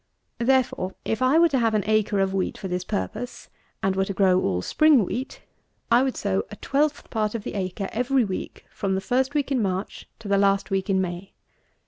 Therefore, if I were to have an acre of wheat for this, purpose, and were to sow all spring wheat, I would sow a twelfth part of the acre every week from the first week in March to the last week in May.